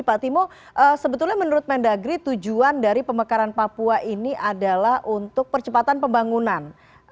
pak timo sebetulnya menurut mendagri tujuan dari pemekaran papua ini adalah untuk percepatan pembangunan